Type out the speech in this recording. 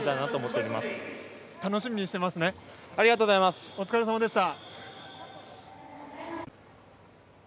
お疲れさまでした。